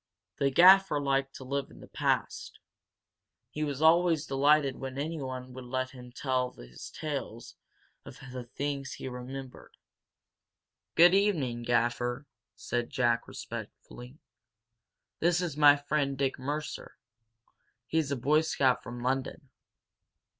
The Gaffer liked to live in the past, he was always delighted when anyone would let him tell his tales of the things he remembered. "Good evening, Gaffer," said Jack, respectfully. "This is my friend, Dick Mercer. He's a Boy Scout from London."